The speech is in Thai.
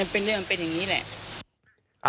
เป็นเรื่องเป็นอย่างนี้แหละ